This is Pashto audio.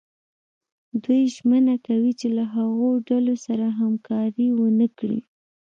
دوی ژمنه کوي چې له هغو ډلو سره همکاري ونه کړي.